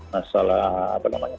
masalah apa namanya